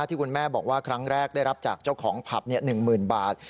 ที่คุณแม่บอกว่าครั้งแรกได้รับจากเจ้าของผับ๑๐๐๐บาท